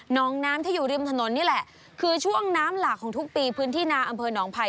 น้องน้ำที่อยู่ริมถนนนี่แหละคือช่วงน้ำหลากของทุกปีพื้นที่นาอำเภอหนองไผ่